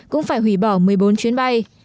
cũng phải hủy bỏ một mươi bốn chuyến bay